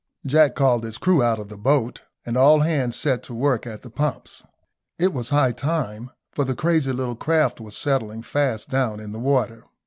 Jack called his crew out of the boat, and all hands set to work at the pumps. It was high time, for the crazy little craft was settling fast down in the water.